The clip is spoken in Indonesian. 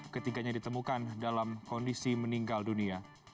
ketiganya ditemukan dalam kondisi meninggal dunia